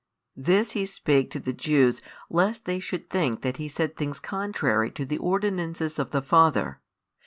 This He spake to the Jews lest they should think that He said things contrary to the ordinances of the Father.